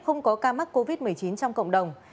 không có ca mắc covid một mươi chín trong cộng đồng